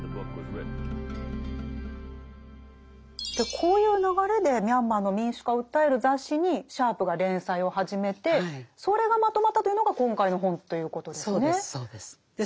こういう流れでミャンマーの民主化を訴える雑誌にシャープが連載を始めてそれがまとまったというのが今回の本ということですね。